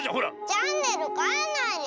チャンネルかえないでよ。